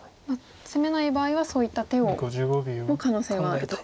ツメない場合はそういった手も可能性はあると。